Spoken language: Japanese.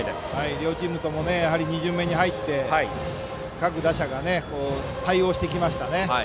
両チームとも２巡目に入って各打者が対応してきましたね。